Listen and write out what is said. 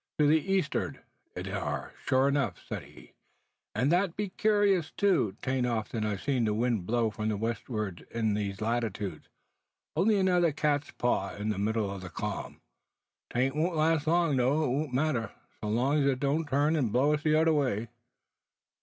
"To the east'ard it are, sure enough," said he, "and that be curious too. 'T an't often I've see'd the wind blow from the westward in these latitudes. Only another catspaw in the middle o' the calm. 'T won't last long; though it won't matter, so long's it don't turn and blow us t'other way."